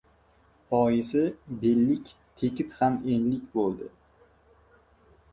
Boisi — bellik tekis ham enlik bo‘ldi.